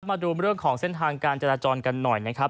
มาดูเรื่องของเส้นทางการจราจรกันหน่อยนะครับ